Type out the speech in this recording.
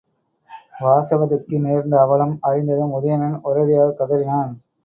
வாசவதத்தைக்கு நேர்ந்த அவலம் அறிந்ததும் உதயணன் ஒரேயடியாகக் கதறினான்.